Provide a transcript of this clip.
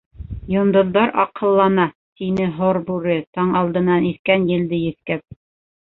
— Йондоҙҙар аҡһыллана, — тине һорбүре таң алдынан иҫкән елде еҫкәп.